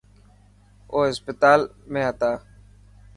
او هسپتال ۾ هتا.